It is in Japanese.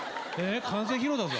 完成披露だぞ！